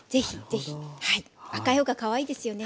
赤い方がかわいいですよね。